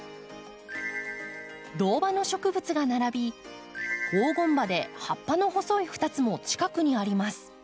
銅葉の植物が並び黄金葉で葉っぱの細い２つも近くにあります。